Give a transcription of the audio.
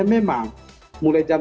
memang mulai jam lima